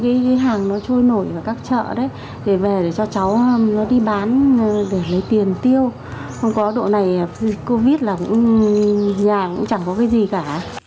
không có độ này covid là nhà cũng chẳng có cái gì cả